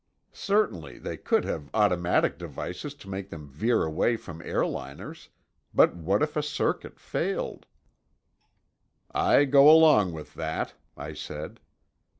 Certainly, they could have automatic devices to make them veer away from airliners—but what if a circuit failed?" "I go along with that," I said.